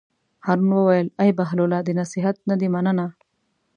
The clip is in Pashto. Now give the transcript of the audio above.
هارون وویل: ای بهلوله د نصیحت نه دې مننه.